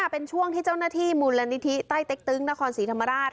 เป็นช่วงที่เจ้าหน้าที่มูลนิธิใต้เต็กตึงนครศรีธรรมราช